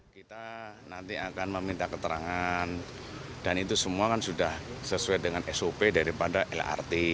kita nanti akan meminta keterangan dan itu semua kan sudah sesuai dengan sop daripada lrt